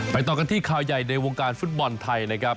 ต่อกันที่ข่าวใหญ่ในวงการฟุตบอลไทยนะครับ